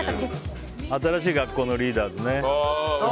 新しい学校のリーダーズね。